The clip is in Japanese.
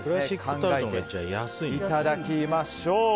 考えていただきましょう。